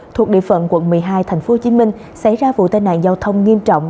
thuộc địa phận quận một mươi hai thành phố hồ chí minh xảy ra vụ tai nạn giao thông nghiêm trọng